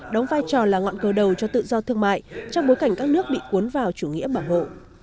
đóng vai trò là ngọn cơ đầu cho tự do thương mại trong bối cảnh các nước bị cuốn vào chủ nghĩa bảo hộ